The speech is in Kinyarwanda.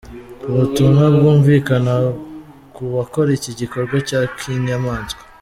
"Ubutumwa bwumvikanakubakora iki gikorwa cya kinyamaswa".